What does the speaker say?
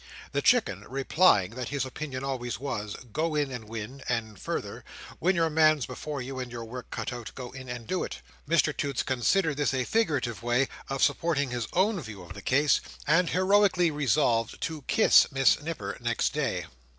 The Chicken replying that his opinion always was, "Go in and win," and further, "When your man's before you and your work cut out, go in and do it," Mr Toots considered this a figurative way of supporting his own view of the case, and heroically resolved to kiss Miss Nipper next day.